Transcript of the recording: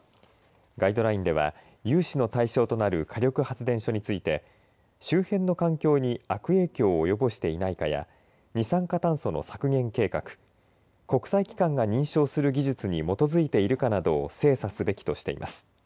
ガイドラインでは融資の対象となる火力発電所について周辺の環境に悪影響を及ぼしていないかや二酸化炭素の削減計画国際機関が認証する技術に基づいているかなどを精査すべきとしています。